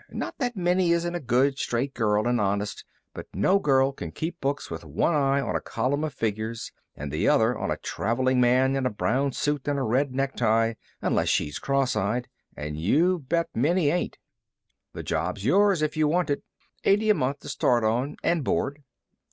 Not that Minnie isn't a good, straight girl, and honest, but no girl can keep books with one eye on a column of figures and the other on a traveling man in a brown suit and a red necktie, unless she's cross eyed, and you bet Minnie ain't. The job's yours if you want it. Eighty a month to start on, and board."